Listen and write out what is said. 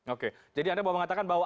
oke jadi anda mau mengatakan bahwa